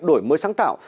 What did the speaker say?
đổi mới sáng tạo